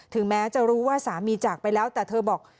แม้จะรู้ว่าสามีจากไปแล้วแต่เธอบอก